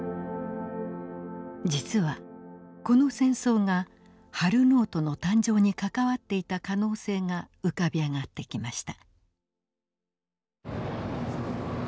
実はこの戦争がハル・ノートの誕生に関わっていた可能性が浮かび上がってきました。